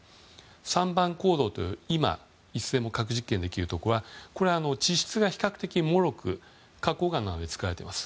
３番坑道といういつでも核実験ができるところは地質が比較的もろく花崗岩などで作られています。